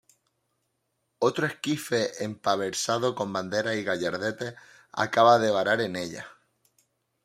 otro esquife empavesado con banderas y gallardetes, acababa de varar en ella